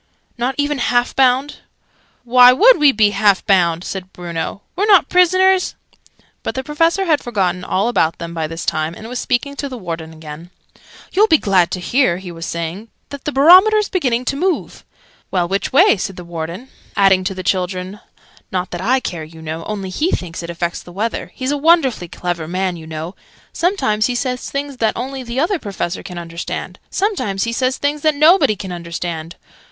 "Not even half bound?" "Why would we be half bound?" said Bruno. "We're not prisoners!" But the Professor had forgotten all about them by this time, and was speaking to the Warden again. "You'll be glad to hear," he was saying, "that the Barometer's beginning to move " "Well, which way?" said the Warden adding, to the children, "Not that I care, you know. Only he thinks it affects the weather. He's a wonderfully clever man, you know. Sometimes he says things that only the Other Professor can understand. Sometimes he says things that nobody can understand!